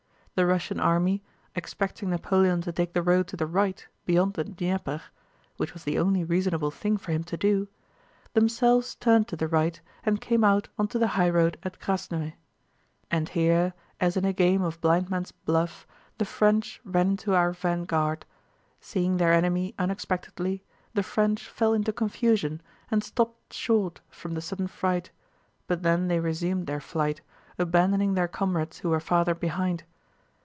The Russian army, expecting Napoleon to take the road to the right beyond the Dnieper—which was the only reasonable thing for him to do—themselves turned to the right and came out onto the highroad at Krásnoe. And here as in a game of blindman's buff the French ran into our vanguard. Seeing their enemy unexpectedly the French fell into confusion and stopped short from the sudden fright, but then they resumed their flight, abandoning their comrades who were farther behind.